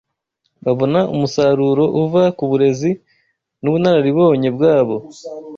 babona umusaruro uva ku burezi n’ubunararibonye bwabo